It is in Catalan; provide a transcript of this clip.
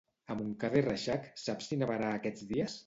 A Montcada i Reixac, saps si nevarà aquests dies?